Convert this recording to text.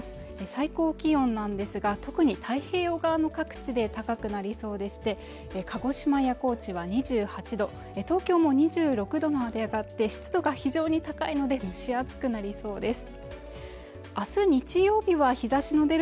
最高気温なんですが特に太平洋側の各地で高くなりそうでして鹿児島や高知は２８度で東京も２６度まで上がって湿度が非常に高くなりそうです